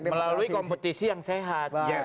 melalui kompetisi yang sehat